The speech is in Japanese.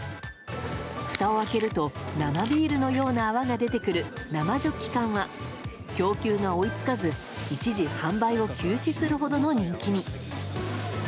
ふたを開けると生ビールのような泡が出てくる生ジョッキ缶は供給が追い付かず一時販売を休止するほどの人気に。